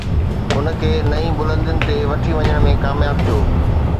ان کي نئين بلندين تي وٺي وڃڻ ۾ ڪامياب ٿيو